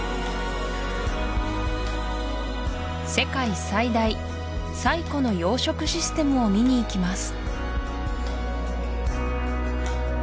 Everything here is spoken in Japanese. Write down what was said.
世界最大・最古の養殖システムを見にいきます